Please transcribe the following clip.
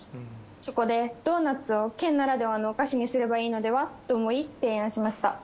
そこでドーナツを県ならではのお菓子にすればいいのでは？と思い提案しました。